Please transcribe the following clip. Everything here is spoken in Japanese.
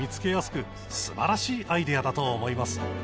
素晴らしいアイデアだと思います。